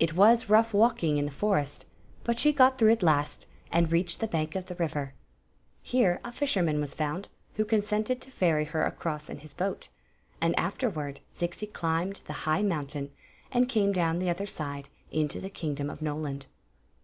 It was rough walking in the forest; but she got through at last, and reached the bank of the river. Here a fisherman was found, who consented to ferry her across in his boat; and afterward Zixi climbed the high mountain and came down the other mdc into the kingdom of Nokuid.